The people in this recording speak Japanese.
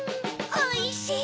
おいしい！